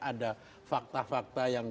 ada fakta fakta yang